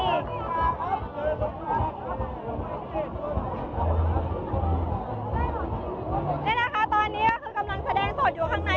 นี่นะคะตอนนี้ก็คือกำลังแสดงโสดอยู่ข้างใน